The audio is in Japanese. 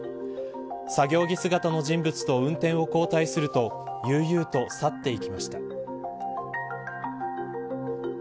作業着姿の人物と運転を交代すると悠々と去っていきました。